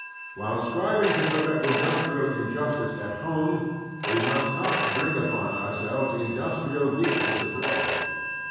While striving to prevent industrial injustice at home, we must not bring upon our selves industrial weakness abroad.